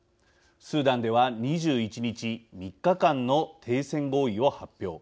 スーダンでは２１日３日間の停戦合意を発表。